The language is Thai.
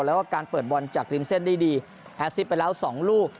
แล้วก็การเปิดบอลจากริมเส้นได้ดีแฮสซิปไปแล้ว๒ลูก